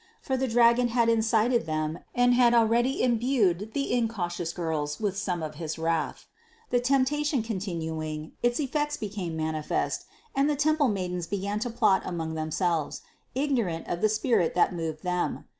For the dragon had incited them and had already imbued the incautious girls with some of his own wrath. The temptation continuing, its effects became manifest and the temple maidens began to plot among themselves, ignorant of the spirit that moved them.